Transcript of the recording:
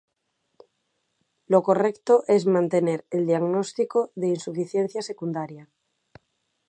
Lo correcto es mantener el diagnóstico de insuficiencia secundaria.